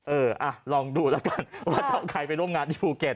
เอออะลองดูแล้วกันว่านเณราไฮเป็นลงงานที่ภูเก็ต